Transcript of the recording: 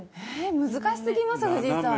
難しすぎます、藤井さん。